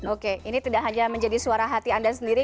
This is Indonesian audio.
oke ini tidak hanya menjadi suara hati anda sendiri